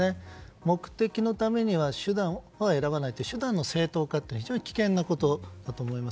目的のためには手段は選ばないって手段の正当化は非常に危険なことだと思います。